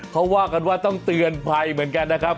เขาว่ากันว่าต้องเตือนภัยเหมือนกันนะครับ